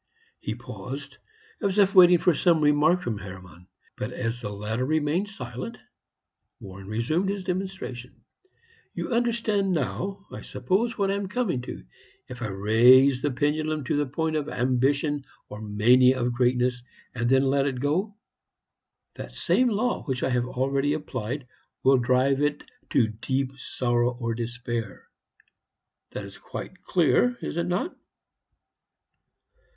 He paused, as if waiting for some remark from Hermann; but as the latter remained silent, Warren resumed his demonstration. "You understand now, I suppose, what I am coming to. If I raise the pendulum to the point of Ambition or Mania of Greatness, and then let it go, that same law which I have already applied will drive it to Deep Sorrow or Despair. That is quite clear, is it not?"